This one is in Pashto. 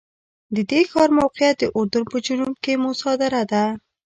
د دې ښار موقعیت د اردن په جنوب کې موسی دره کې دی.